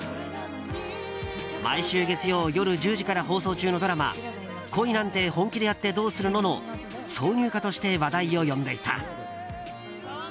毎週月曜夜１０時から放送中のドラマ「恋なんて、本気でやってどうするの？」の挿入歌として話題を呼んでいた。